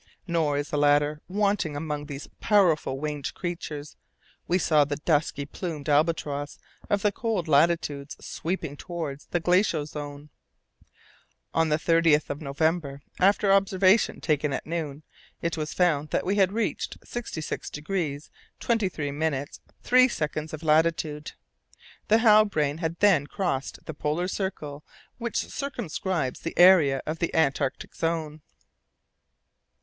Nor is the latter wanting among these powerful winged creatures; we saw the dusky plumed albatross of the cold latitudes, sweeping towards the glacial zone. On the 30th of November, after observation taken at noon, it was found that we had reached 66° 23' 3" of latitude. The Halbrane had then crossed the Polar Circle which circumscribes the area of the Antarctic zone.